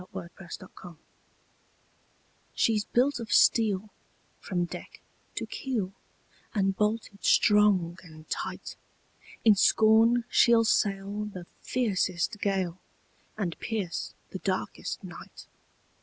THE WORD OF AN ENGINEER "She's built of steel From deck to keel, And bolted strong and tight; In scorn she'll sail The fiercest gale, And pierce the darkest night.